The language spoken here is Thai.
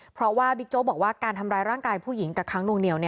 เพราะว่าบิ๊กโจ๊กบอกว่าการทำร้ายร่างกายผู้หญิงกับค้างนวงเหนียว